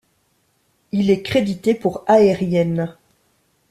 Il est crédité pour aériennes.